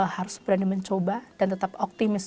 harus berani mencoba dan tetap optimis